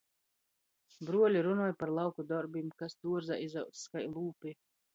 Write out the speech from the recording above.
Bruoli runoj par lauku dorbim – kas duorzā izaudzs, kai lūpi.